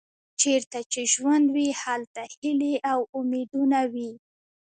چیرته چې ژوند وي هلته هیلې او امیدونه وي.